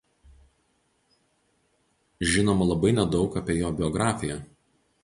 Žinoma labai nedaug apie jo biografiją.